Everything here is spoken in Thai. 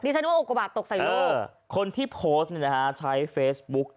ดิฉันว่าอกระบาดตกใส่ลูกเออคนที่โพสต์เนี้ยฮะใช้เฟซบุ๊ก